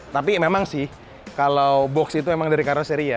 tapi memang sih kalau box itu memang dari karaseri ya